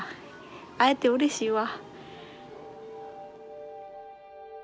会えてうれしいわ。